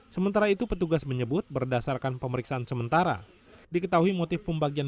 sementara itu petugas menyebut berdasarkan pemeriksaan sementara diketahui motif pembagian